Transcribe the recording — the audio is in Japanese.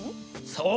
そう。